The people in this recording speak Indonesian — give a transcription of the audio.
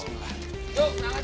jom tangan yuk